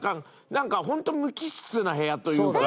なんかホント無機質な部屋というか。